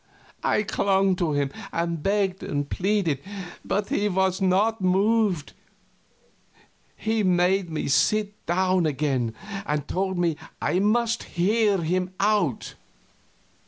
I clung to him and begged and pleaded, but he was not moved. He made me sit down again, and told me I must hear him out.